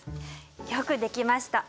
よくできました。